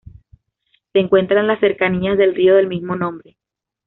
Se encuentra en las cercanías del río del mismo nombre.